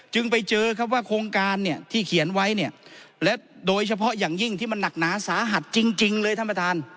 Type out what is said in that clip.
ไปเจอครับว่าโครงการเนี่ยที่เขียนไว้เนี่ยและโดยเฉพาะอย่างยิ่งที่มันหนักหนาสาหัสจริงเลยท่านประธาน